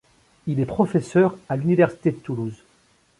Il est professeur à l'Université de Toulouse.